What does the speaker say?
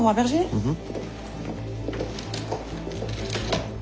うん。